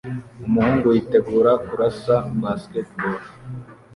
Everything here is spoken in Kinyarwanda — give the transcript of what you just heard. Umuhungu yiteguye kurasa basketball